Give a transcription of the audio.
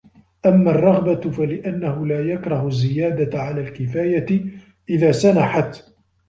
أَمَّا الرَّغْبَةُ ؛ فَلِأَنَّهُ لَا يَكْرَهُ الزِّيَادَةَ عَلَى الْكِفَايَةِ إذَا سَنَحَتْ